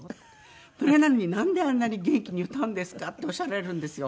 「それなのになんであんなに元気に歌うんですか？」っておっしゃられるんですよ。